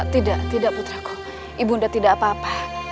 tidak tidak putraku ibunda tidak apa apa